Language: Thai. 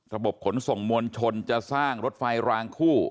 ระบบขนส่งมวลชนจะสร้างรถไฟรางคู่